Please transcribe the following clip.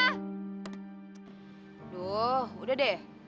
aduh udah deh